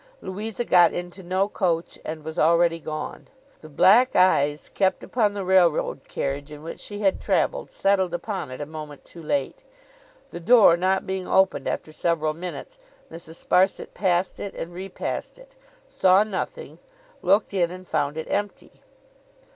Louisa got into no coach, and was already gone. The black eyes kept upon the railroad carriage in which she had travelled, settled upon it a moment too late. The door not being opened after several minutes, Mrs. Sparsit passed it and repassed it, saw nothing, looked in, and found it empty.